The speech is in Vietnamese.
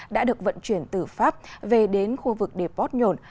đã được vận chuyển từ pháp về đến khu vực deport nhổn